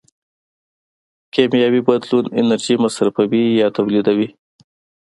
کیمیاوي بدلون انرژي مصرفوي یا تولیدوي.